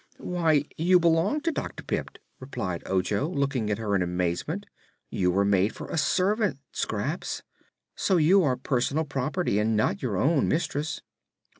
"Why, you belong to Dr. Pipt," replied Ojo, looking at her in amazement. "You were made for a servant, Scraps, so you are personal property and not your own mistress."